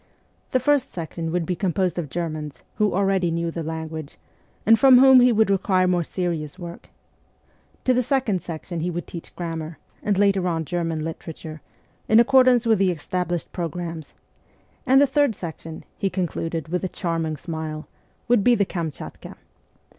The first section would be composed of Germans, who already knew the language, and from whom he would require more serious work ; to the second section he would teach grammar, and later on German literature, in accordance with the established programmes ; and the third section, he concluded with a charming smile, would be the Kamchatka.